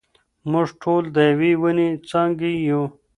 موږ ټول د يوې وني څانګي يو.